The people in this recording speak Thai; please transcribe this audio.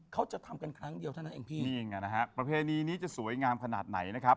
สามประสบนี่